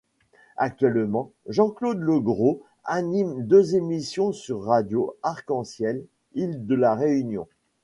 Actuellement, Jean-Claude Legros anime deux émissions sur Radio Arc-en-ciel Ile de La Réunion.